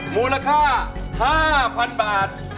มูลค่า๕๐๐๐บาท